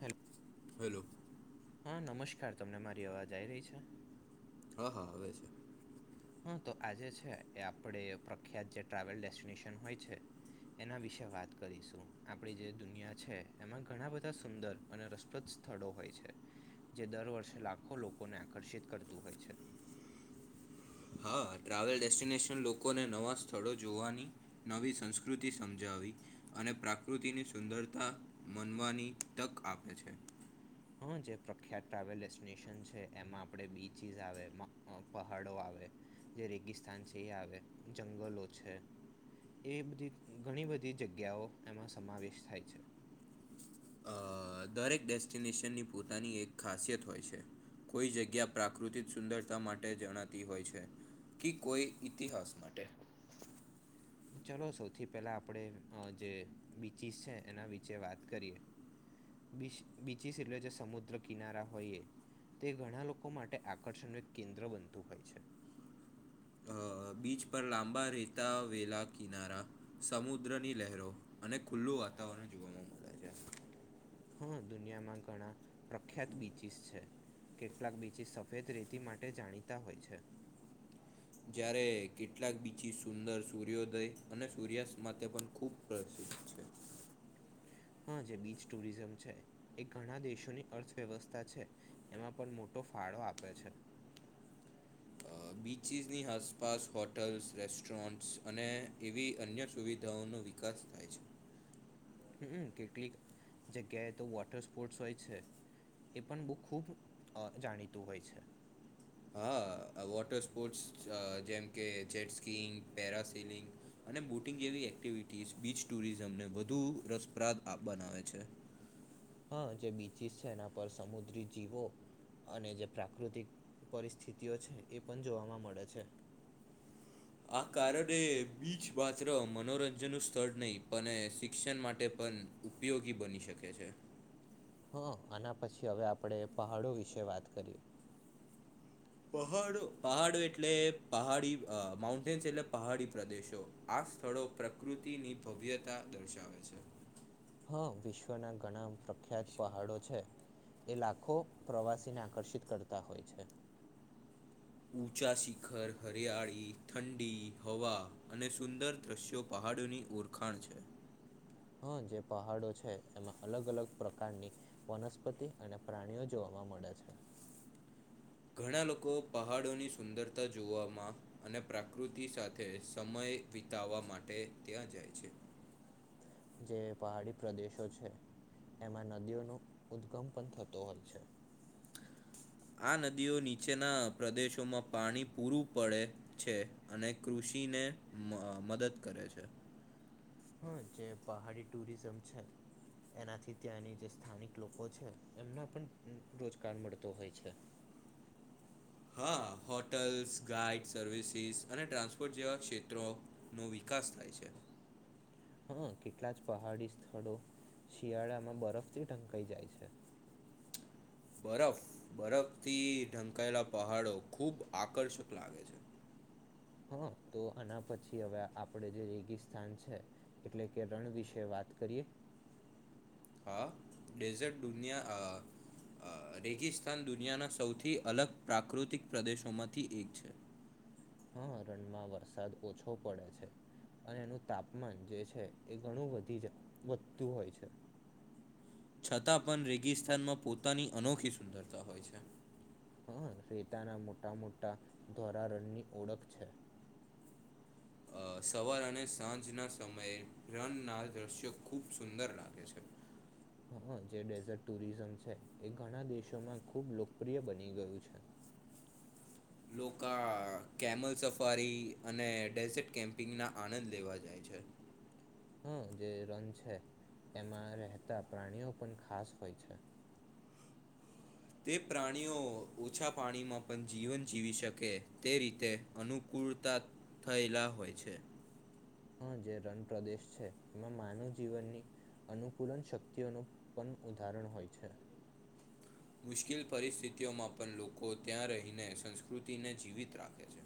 Hello hello હા નમસ્કાર તમને મારી અવાજ આવી રહી છે હા હા આવેવે છે હા તો આજે છે આપડ પ્રખ્યાત જે ટ્રાવેલ ડેસ્ટિનેશન હોય છે એના વિશે વાત કરીશું આપડી જે દુનિયા છે એમાં ઘણા બધા સુંદર અને રસપ્રદ સ્થળો હોય છે જે દર વર્ષે લાખો લોકોને આકર્ષિત કરતું હોય છે [inaudible] હા ટ્રાવેલ ડેસ્ટિનેશન લોકોને નવાં સ્થળો જોવાની નવી સંસ્કૃતિ સમજાવી અને પ્રાકૃતિની સુંદરતા મનવાની તક આપે છે હા જે પ્રખ્યાત ટ્રાવેલ ડેસ્ટિનેશન છે એમાં આપણેે બીચસ આવે પહાડો આવે જે રેગિસ્તાન છે એ આવે જંગલો છે એ બધી ઘણી બધી જગ્યાઓ એમાં સમાવેશ થાય છે દરેક ડેસ્ટિનેશનની પોતાની એક ખાસિયત હોય છે કોઈ જગ્યા પ્રાકૃતિક સુંદરતા માટે જણાતી હોય છે કે કોઈ ઇતિહાસ માટે [inaudible] ચલો સૌથી પહેલા આપણે જે બીચીસ છે એના વિચે વાત કરીએ બીચિસ એટલે જે સમુદ્ર કિનારા હોય એ તે ઘણા લોકો માટે આકર્ષણનું એક કેન્દ્ર બનતું હોય છે અ, બીચ પર લાંબા રેતા વેલા કિનારા સમુદ્ર ની લહેરો અને ખુલ્લુ [inaudible] હા દુનિયામાં ઘણા પ્રખ્યાત બીચિસ છે કેટલાક બીચિસ સફેદ રેતી માટે જાણીતા હોય છે જયારે કેટલાક બીચિસ સુંદર સૂર્યોદય અને સૂર્યાસ્ત માટે પણ ખૂબ છે [inaudible] હા જે બીચ ટુરિઝમ છે એ ઘણા દેશોની અર્થવ્યવસ્થા છે એમાં પણ મોટો ફાળો આપે છે બીચીસની આસપાસ હોટલ્સ રેસ્ટોરન્ટ્સ અને એવી અન્ય સુવિધાઓનો નો વિકાસ થાય છે હમ કેટલીક જગ્યાએ તો વોટર સ્પોર્ટસ હોય છે એ પણ બહ ખૂબ જાણીતું હોય છે હા વોટર સ્પોર્ટ્સ જેમ કે જેટ સ્કીિંગ પેરા સિલિંગ અને બોટિંગ જેવી એક્ટિવિટીઝ બીચ ટુરિઝમને વધુ રસપ્રાદ બનાવે છે હા જે બીચીસ છે એના પર સમુદ્રી જીવો અને જે પ્રાકૃતિક પરિસ્થિતિઓ છે. એ પણ જોવાવામાં મળે છે. આ કારણે બીચ માત્ર મનોરંજનનું સ્થળ નહીં પણ શિક્ષણ માટે પણ ઉપયોગી બની શકે છે [inaudible] હા આના પછી હવે આપણેે પહાડો વિશે વાત કરીએ પહાડ પહાડો એટલે પહાડી માઉન્ટેન્સ એટલે પહાડી પ્રદેશો આ આ સ્થળો પ્રકૃતિની ભવ્યતા દર્શાવે છે હા વિશ્વના ઘણા પ્રખ્યાત પહાડો છે એ લાખો પ્રવાસીને આકર્ષિત કરતા હોય છે ઊંચા શિખર હરિયાળી ઠંડી હવા અને સુંદર દ્રશ્યો પહાડીોની ઓળખાણ છે [inaudible] જે પહાડો છે એમાં અલગ અલગ પ્રકારની વનસ્પતિ અને પ્રાણીઓ જોવાવામાં મળે છે [unintelligible] ઘણા લોકો પહાડોની સુંદરતા જોવામાં અને પ્રાકૃતિ સાથે સમય વિતાવા માટે ત્યાં જાય છે [inaudible] જે પહાડી પ્રદેશો છે એમાં નદીઓનો ઉદગમ પણ થતો હોય છે આ નદીઓ નીચેના પ્રદેશોમાં પાણી પૂરું પડે છે અને કૃષિ ચીને મદદ કરે છે હા જે પહાડી ટુરિઝમ છે એનાથી ત્યાંની જે સ્થાનિક લોકો છે એમને પણ રોજગાર મળતો હોય છે હા હોટલ્સ ગાઈડ સર્વિસીસ અને ટ્રાન્સપોર્ટ જેવા ક્ષેત્રોનોો વિકાર વિકાસ થાય છે હા કેટલા જ પહાડી સ્થળો શિયાળામાં બરફથી ઢંકાઈ જાય છે બરફ બરફથી ઢંકાયેલા પહાડો ખૂબ આકર્ષક લાગે છે હ તો આના પછી હવે આપડ જે રેગિસ્તાન છે એટલે કે રણ વિશે વાત કરીએ હા ડેઝર્ટ દુનિયા આ રેગિસ્તાન દુનિયાના સૌથી અલગ પ્રાકૃતિક પ્રદેશોમાંથી એક છે હા રણમાં વરસાદ ઓછો પડે છે અને એનું તાપમાન જે છે એ ઘણું વધી જ વધતું હોય છે છતાં પણ રેગિસ્તાનમાં પોતાની અનોખી સુંદરતા હોય છે હા રેતાના મોટા મોટા ધોળારણની ઓળખ છે [inaudible] અ, સવાર અને સાંજના સમયે રનના દ્રશ્યો ખૂબ સુંદર લાગે છે હ જે ડેઝર્ટ ટુરિઝમ છે એ ઘણા દેશોમાં ખુબ લોકપ્રિય બની ગયું છે [inaudible] લોકાઆ કેમલ સફારી અને ડેઝિટ કેમ્પિંગ ના આનંદ લેવા જાય છે [inaudible] જે રન છે એમાં રહેતા પ્રાણીઓ પણ ખાસ હોય છે તે પ્રાણીઓ ઓછા પાણીમાં પણ જીવન જીવી શકે તે રીતે અનુકૂળ પૂરતા થયેલા હોય છે હા જે રણ પ્રદેશ છે એમાં માનવ જીવનની અનુકૂલન શક્તિઓનું પણ ઉદાહરણ હોય છે મુશ્કેલ પરિસ્થિતિઓમાં પણ લોકો ત્યાં રહીને સંસ્કૃતિને જીવિત રાખે છે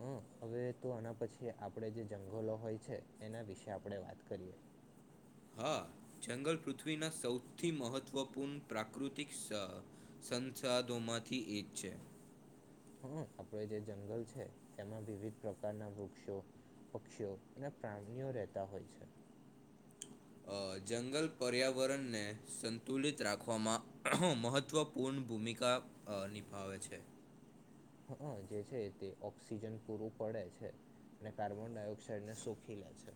હમ હોઈ તે એના પછી આપણે જે જંગલો હોય છે એના વિશે આપણેે વાત કરીએ હા જંગલ પૃથ્વીના સૌથી મહત્વપૂર્ણ પ્રાકૃતિક સંસાદોમાંથી એક છે હા આપડ જે જંગલ છે એમાં વિવિધ પ્રકારના વૃક્ષો પક્ષીઓ અને પ્રાણીણીઓ રહેતા હોય છે જંગલ પર્યાવરણને સંતુલિત રાખવામાં મહત્વપૂર્ણ ભૂમિકા નિભાવે છે હા જે છે તે ઓક્સિજન પૂરું પડે છે અને કાર્બન ડાયોક્સાઈડ ને શોખી લે છે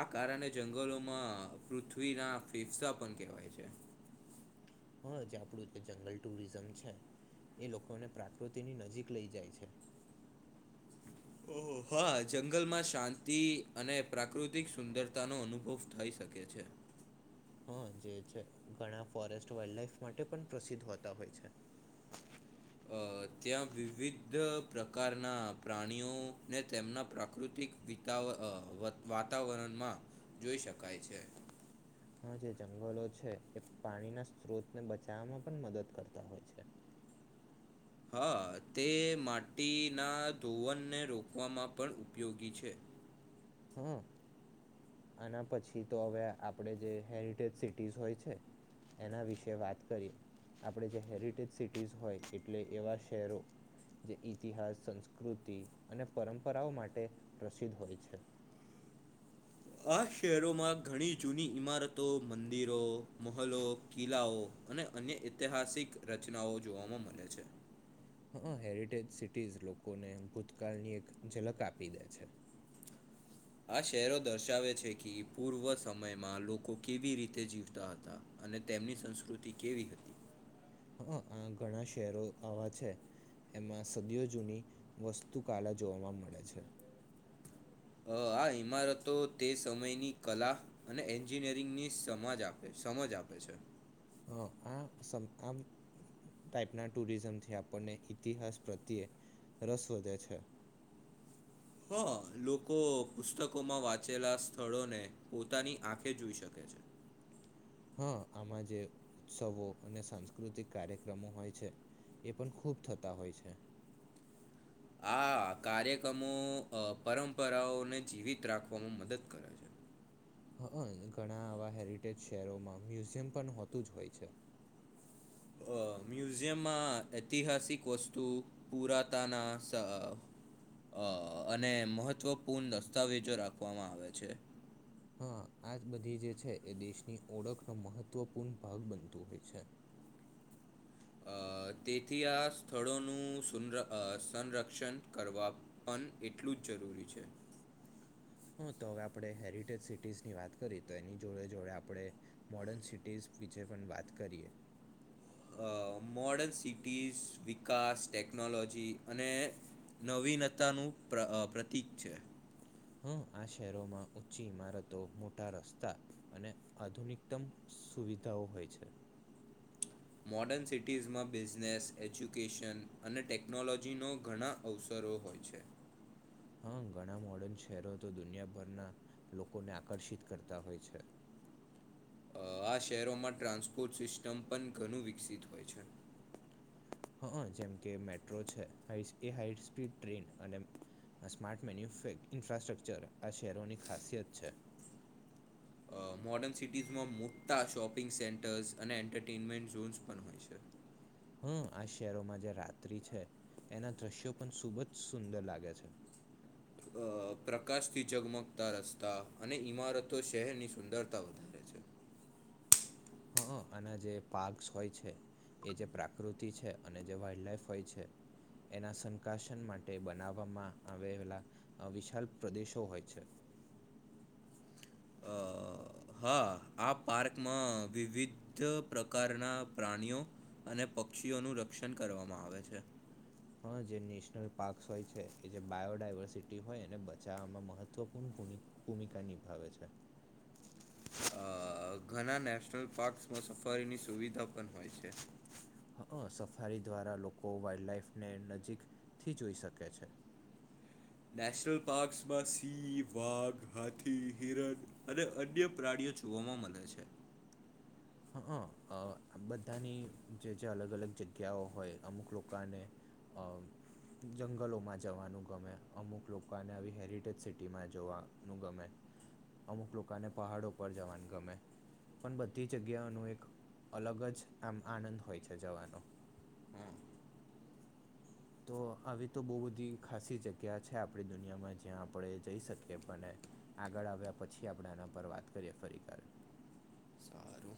આ કારણે જંગલોમાં પૃથ્વીના ફેફસા પણ કહેવાય છે હા જે આપડું જંગલ ટુરિઝમ છે એ લોકોને પ્રાકૃતિની નજીક લઈ જાય છે ઓહ હા જંગલમાં શાંતિ અને પ્રાકૃતિક સુંદરતા નો અનુભવ થઈ શકે છે [inaudible] હ જે છે ઘણા ફોરેસ્ટ વાલ્ લફ માટે પણ પ્રસિદ્ધ હોતા હોય છે [unintelligible] અ ત્યાં વિવિધ પ્રકારના પ્રાણીઓ ને તેમના પ્રાકૃતિક વાતાવરણમાં જોઈ શકાય છે હા જે જંગલો છે એ પાણીના સ્ત્રોતન બચાવવામાં પણ મદદ કરતા હોય છે [inaudible] હા તે માટીના ધોવનને રોકવામાં પણ ઉપયોગી છે હમ આના પછી તો હવે આપડે જે હેરિટેજ સિટીસ હોય છે એના વિશે વાત કરી આપણે જે હેરિટેજ સિટીઝ હોય એટલે એવા શહેરો જે ઈતિહાસ સંસ્કૃતિ અને પરંપરાઓ માટે પ્રસિદ્ધ હોય છે [inaudible] આ શહેરોમાં ઘણી જૂની ઈમારતો મંદિરો મહલો કિલ્લાઓ અને અન્ય ઐતિહાસિક રચનાઓ જોવામાં મળે છે હા હેરિટેજ સિટીઝ લોકોને ભૂતકાળ ની એક ઝલક આપી દે છે [unintelligible] આ શહેરો દર્શાવે છે કે પૂર્વ સમયમાં લોકો કેવી રીતે જીવતા હતા અને તેમની સંસ્કૃતિ કેવી હતી હ આ ઘણા શહેરો આવા છે એમાં સદીઓ જૂની વસ્તુ કળા જોવાવા મળે છે અ આ ઇમારતો તે સમયની કલા અને એન્જિનિયરિંગની સમજ આપે છે સમજ આપે છે હ આ આમ [unintelligible] ટાઈપના ટુરિઝમથી આપણને ઈતિહાસ પ્રત્યે રસ વધે છે [inaudible] હ લોકો પુસ્તકોમાં વાંચેલા સ્થળોને પોતાની આંખે જોઈ શકે છે હા આમાં જે ઉત્સવો અને સાંસ્કૃતિક કાર્યક્રમો હોય છે એ પણ ખૂબ થતા હોય છે આ કાર્યક્રમો પરંપરાઓને જીવિત રાખવામાં મદદ કરે છે હ ઘણા આવા હેરિટેજ શહેરોમાં મ્યુઝિયમ પણ હોતું જ હોય છે [inaudible] મ્યુઝિયમમાં ઐતિહાસિક વસ્તુ પુરાતાના સ અ અને મહત્ત્વપૂર્ણ દસ્તાવેજો રાખવામાં આવે છે હા આજ બધી જે છે એ દેશની ઓળખનો મહત્વપૂર્ણ ભાગ બનતું હોય છે [inaudible] અ તેથી આ સ્થળોનું સંરક્ષણ કરવા પણ એટલું જ જરૂરી છે [inaudible] હા તો હવે આપણે હેરિટેજ સિટીઝની વાત કરીએ તો એની જોડે જોડે આપણે મોર્ડર્ન સિટીઝ વિશેે પણ વાત કરીએ અ મોર્ડન સિટીઝ વિકાસ ટેકનોલોજી અને નવીનતાનું પ્રતિક છે હા આ શહેરોમાં ઊચ્ચી ઈમારતો મોટા રસ્તા અને આધુનિકતમ સુવિધાઓ હોય છે મોર્ડર્ન સિટીઝમાં બિઝનેસ એજ્યુકેશન અને ટેકનોલોજીનો ઘણા અવસર પણ છે [inaudible] હા ઘણા મોર્ડર્ન શહેરો તો દુનિયાભરના લોકોને આકર્ષિત કરતા હોય છે આ શહેરોમાં ટ્રાન્સપોર્ટ સિસ્ટમ પણ ઘણું વિકસિત હોય છે હા જેમ કે મેટ્રો છે એ હાઈસ્પીડ ટ્રેન અને સ્માર્ટ મેન્યુ ઇન્ફ્રાસ્ટ્રક્ચર આ શહેરોની ખાસિયત છે [inaudible] મોર્ડર્ન સિટીઝમાં મોટા શોપિંગ સેન્ટર્સ અને એન્ટરટેનમેન્ટ ઝોન્સ પણ હોય છે હમ આ શહેરોમાં જે રાત્રિ છે એના દ્રશ્યો પણ ખૂબ જ સુંદર લાગે છે અ પ્રકાશથી જગમગતા રસ્તા અને ઈમારતો શહેરની સુંદરતા વધારે છે હ અને જે પાક હોય છે એ જે પ્રાકૃતિ છે અને જે વાઈલ્ડ લાઈફ હોય છે એના સંકાસન માટે બનાવવામાં આવેલા વિશાલ પ્રદેશો હોય છે [inaudible] અ હા આ પાર્કમાં વિવિધ પ્રકારના પ્રાણીઓ અને પક્ષીઓનું રક્ષણ કરવામાં આવે છે હા જે નેશનલ પાર્કસ હોય છે એ જે બાયોડાયવર્સિટી હોય એને બચાવવામાં મહત્વપૂર્ણ ભૂમિકા નિભાવે છે અ ઘણા નેશનલ પાર્ક્સમાં સફારીની સુવિધા પણ હોય છે હ સફારી દ્વારા લોકો વાઈલ્ડ લાઈફને નજીકથી જોઈ શકે છે [inaudible] નેશનલ પાર્કસમાં સિંહ વાઘ હાથી હિરક અને અન્ય પ્રાણીઓ જોવામાં મળે છે હ બધાની જે જે અલગ અલગ જગ્યાઓ હોય અમુક લોકોને અ જંગલોમાં જવાનું ગમે અમુક લોકોને આવી હેરિટેજ સિટીમાં જોવાનું ગમે અમુક લોકોને પહાડો ઉપ જવાની ગમે પણ બધી જગ્યા ન એક અલગ જ આમ આનંદ હોય છે જવાનો હા તો આવી તો બહુ બધી ખાસી જગ્યા છે આપણી દુનિયામાં જ્યાં આપણે જઈ શકીએ પણ આગળ આવ્યા પછી આપણે આના પર વાત કરીએ ફરી સારું